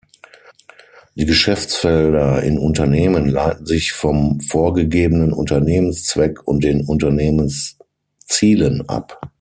Die Geschäftsfelder in Unternehmen leiten sich vom vorgegebenen Unternehmenszweck und den Unternehmenszielen ab.